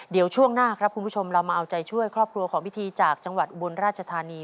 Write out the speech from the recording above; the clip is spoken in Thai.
เดี๋ยวช่วงหน้าครับคุณผู้ชมเรามาเอาใจช่วยครอบครัวของพิธีจากจังหวัดอุบลราชธานี